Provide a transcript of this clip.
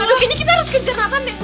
aduh gini kita harus kejar natan deh